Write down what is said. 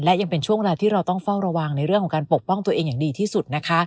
และยังเป็นช่วงเวลาที่เราต้องเฝ้าระวังในเรื่องของการปกป้องตัวเองอย่างดีที่สุดนะคะ